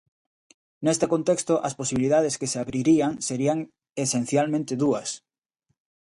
Neste contexto as posibilidades que se abrirían serían esencialmente dúas.